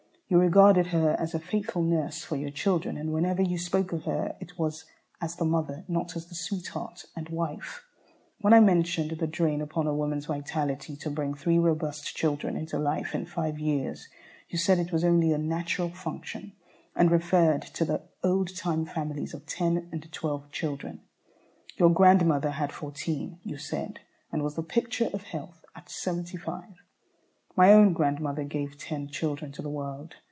You regarded her as a faithful nurse for your children, and whenever you spoke of her it was as the mother, not as the sweetheart and wife. When I mentioned the drain upon a woman's vitality to bring three robust children into life in five years, you said it was only a "natural function," and referred to the old time families of ten and twelve children. Your grandmother had fourteen, you said, and was the picture of health at seventy five. My own grandmother gave ten children to the world.